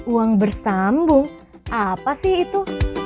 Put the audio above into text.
uang bersambung apa sih itu